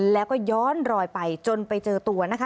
แล้วก็ย้อนรอยไปจนไปเจอตัวนะคะ